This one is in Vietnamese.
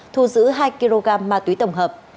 thu giữ hai kg ma túy tổng hợp